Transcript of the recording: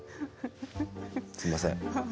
すみません。